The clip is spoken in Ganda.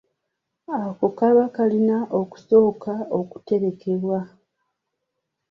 Ako kaba kalina okusooka okuterekebwa.